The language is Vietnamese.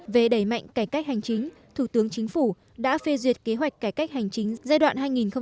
về đẩy mạnh cải cách hành chính thủ tướng chính phủ đã phê duyệt kế hoạch cải cách hành chính giai đoạn hai nghìn một mươi chín hai nghìn hai mươi